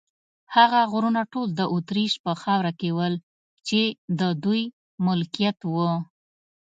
هغه غرونه ټول د اتریش په خاوره کې ول، چې د دوی ملکیت و.